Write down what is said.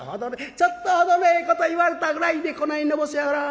「ちょっとおどれええこと言われたぐらいでこないのぼせ上がる」。